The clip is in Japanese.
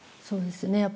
そうですね。